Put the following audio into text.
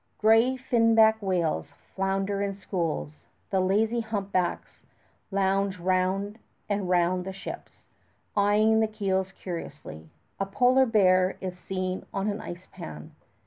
Gray finback whales flounder in schools. The lazy humpbacks lounge round and round the ships, eyeing the keels curiously. A polar bear is seen on an ice pan.